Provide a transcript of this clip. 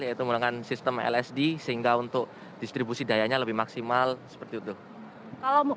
yaitu menggunakan sistem lsd sehingga untuk distribusi dayanya lebih maksimal seperti itu